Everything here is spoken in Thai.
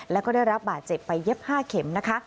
แล้วก็ได้รับบาดเจ็บไปเย็บ๕เข็มนะคะ